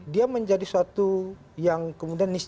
dia menjadi suatu yang kemudian nisbah